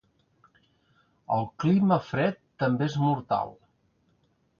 El clima fred també és mortal.